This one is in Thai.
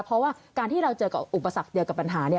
เพราะว่าการที่เราเจอกับอุปสรรคเจอกับปัญหาเนี่ย